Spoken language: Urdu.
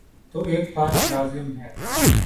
تو ایک بات لازم ہے۔